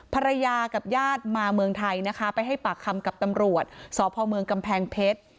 ภรรยากับญาติมาเมืองไทยนะคะไปให้ปากคำกับตำรวจสพเมืองกำแพงเพชร